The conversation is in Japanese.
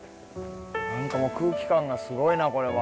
何かもう空気感がすごいなこれは。